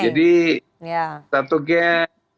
jadi satu gang